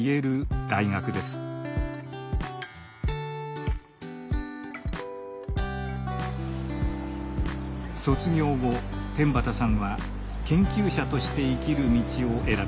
卒業後天畠さんは研究者として生きる道を選びました。